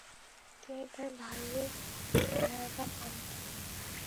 তিনি তার ভাইয়ের সহায়তা পান।